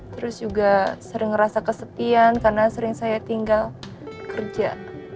terus juga sering ngerasa kesepian karena sering saya tinggal kerja